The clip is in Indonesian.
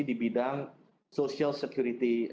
di bidang social security